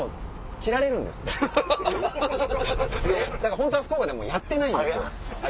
だから本当は福岡でもやってないんですよ。